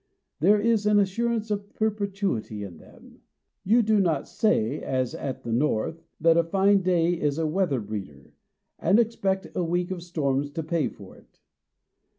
There is an assurance of perpetuity in them. You do not say, as at the North, that a fine day is a "weather breeder," and expect a week of storms to pay for it.